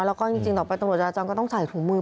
แล้วก็จริงต่อไปตำรวจจราจรก็ต้องใส่ถุงมือ